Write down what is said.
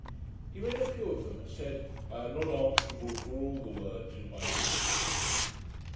He read a few of them, and said, 'I am not answerable for all the words in my Dictionary.'